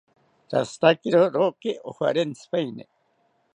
Rashitakiro roki ojarentsipaeni